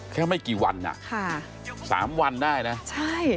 ไม่กี่วันอ่ะค่ะสามวันได้นะใช่